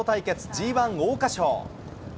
ＧＩ桜花賞。